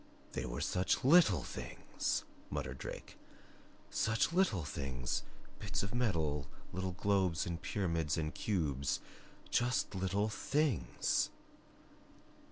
"They were such LITTLE THINGS," muttered Drake. "Such little things bits of metal little globes and pyramids and cubes just little THINGS."